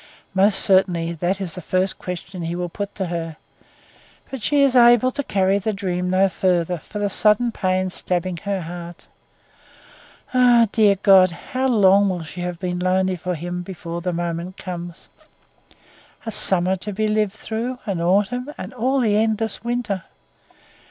Most surely it is the first question he will put to her; but she is able to carry the dream no further for the sudden pain stabbing her heart. Ah! dear God! how long will she have been lonely for him before that moment comes! A summer to be lived through, an autumn, and all the endless winter!